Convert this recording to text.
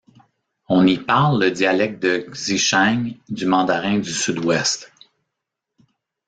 On y parle le dialecte de Xichang du mandarin du sud-ouest.